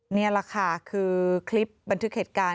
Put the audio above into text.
นี่แหละค่ะคือคลิปบันทึกเหตุการณ์